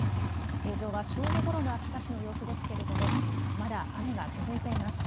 映像は正午ごろの秋田市の様子ですけれどもまだ雨が続いています。